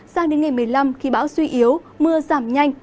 sang đến ngày một mươi năm khi bão suy yếu mưa giảm nhanh